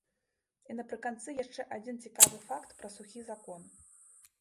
І напрыканцы яшчэ адзін цікавы факт пра сухі закон.